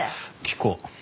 聞こう。